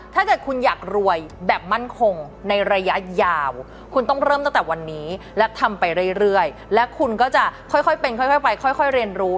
ถ้าเกิดคุณอยากรวยแบบมั่นคงในระยะยาวคุณต้องเริ่มตั้งแต่วันนี้และทำไปเรื่อยและคุณก็จะค่อยเป็นค่อยไปค่อยเรียนรู้